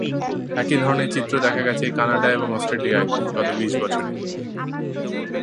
একই ধরনের চিত্র দেখা গেছে কানাডা এবং অস্ট্রেলিয়ায় গত বিশ বছরে।